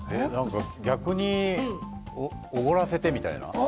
逆におごらせてみたいな？